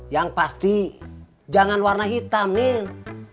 yang pasti jangan warna hitam nih